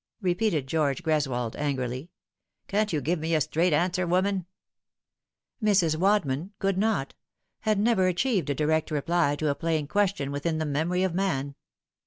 repeated George Greswold angrily ;" can't you give a straight answer, woman ?" Mrs. Wadman could not : had never achieved a direct reply to a plain question within the memory of man.